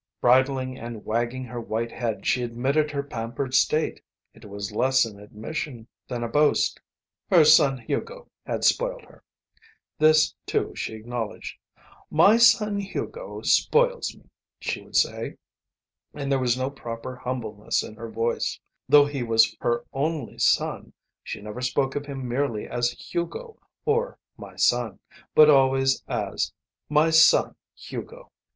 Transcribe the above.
Bridling and wagging her white head she admitted her pampered state. It was less an admission than a boast. Her son Hugo had spoiled her. This, too, she acknowledged. "My son Hugo spoils me," she would say, and there was no proper humbleness in her voice. Though he was her only son she never spoke of him merely as "Hugo," or "My son," but always as "My son Hugo."